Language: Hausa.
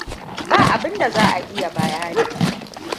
Ba abin da za a iya bayani.